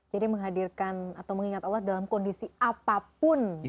jadi menghadirkan atau mengingat allah dalam kondisi apapun